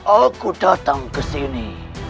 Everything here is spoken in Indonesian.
aku datang kesini